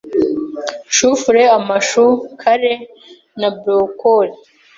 chou-fleur, amashu, kale na broccoli